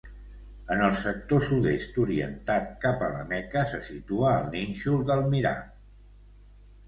En el sector sud-est, orientat cap a La Meca, se situa el nínxol del mihrab.